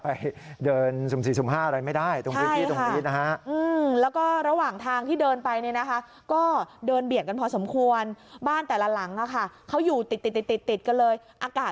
เพราะว่าจะไปเดินสุ่ม๔สุ่ม๕อะไรไม่ได้